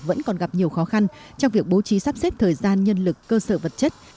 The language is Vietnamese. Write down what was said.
vẫn còn gặp nhiều khó khăn trong việc bố trí sắp xếp thời gian nhân lực cơ sở vật chất